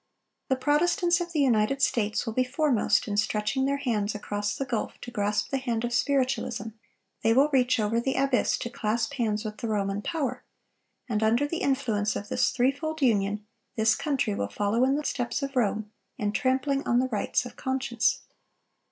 The Protestants of the United States will be foremost in stretching their hands across the gulf to grasp the hand of Spiritualism; they will reach over the abyss to clasp hands with the Roman power; and under the influence of this threefold union, this country will follow in the steps of Rome in trampling on the rights of conscience.